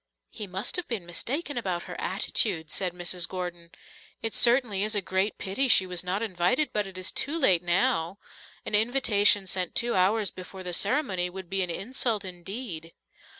"He must have been mistaken about her attitude," said Mrs. Gordon. "It certainly is a great pity she was not invited, but it is too late now. An invitation sent two hours before the ceremony would be an insult indeed."